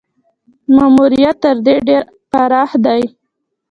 ماموریت تر دې ډېر پراخ دی.